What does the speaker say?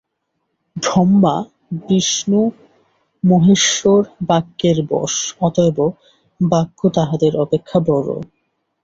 ব্রহ্মা বিষ্ণু মহেশ্বর বাক্যের বশ, অতএব বাক্য তাঁহাদের অপেক্ষা বড়ো।